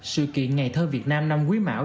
sự kiện ngày thơ việt nam năm quý mạo